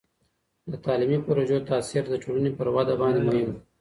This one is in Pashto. د تعلیمي پروژو تاثیر د ټولني پر وده باندې مهم دی.